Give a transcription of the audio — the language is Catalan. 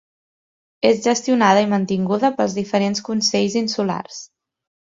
És gestionada i mantinguda pels diferents consells insulars.